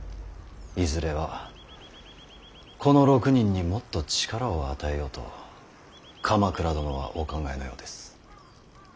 いずれはこの６人にもっと力を与えようと鎌倉殿はお考えのようです。